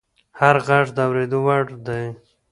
هر غږ د اورېدو وړ دی